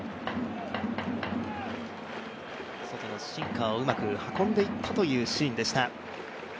外のシンカーをうまく運んでいったというシーンでした。